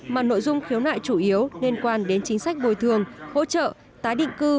mà nội dung khiếu nại chủ yếu liên quan đến chính sách bồi thường hỗ trợ tái định cư